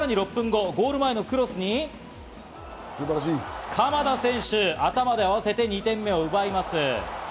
さらに６分後、ゴール前のクロスに、鎌田選手、頭で合わせて２点目を奪います。